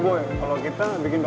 mereka jalanarusin saya